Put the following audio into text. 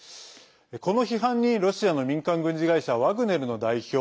この批判にロシアの民間軍事会社ワグネルの代表